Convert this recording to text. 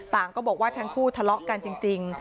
ก็บอกว่าทั้งคู่ทะเลาะกันจริง